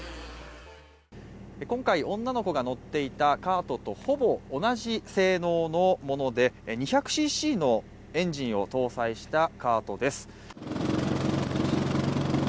今回、女の子が乗っていたカートとほぼ同じ性能のもので２００ｃｃのエンジンを搭載したカートです。